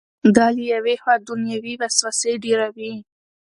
دا له یوې خوا دنیوي وسوسې ډېروي.